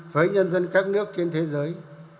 với nhân dân các nước trên thế giới